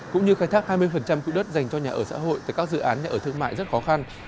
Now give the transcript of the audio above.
cũng như khai thác hai mươi cựu đất dành cho nhà ở xã hội tại các dự án nhà ở thương mại rất khó khăn